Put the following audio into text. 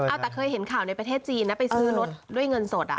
เอาแต่เคยเห็นข่าวในประเทศจีนนะไปซื้อรถด้วยเงินสดอ่ะ